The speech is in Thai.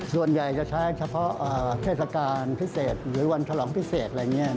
ส่วนใหญ่จะใช้เฉพาะเครภราการพิเศษหรือวันขลองพิเศษ